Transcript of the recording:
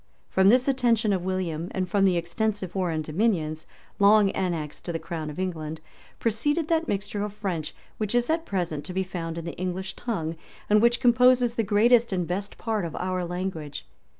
From this attention of William, and from the extensive foreign dominions, long annexed to the crown of England, proceeded that mixture of French which is at present to be found in the English tongue, and which composes the greatest and best part of our language.